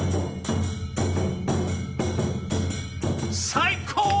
最高！